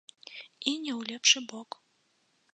І не ў лепшы бок.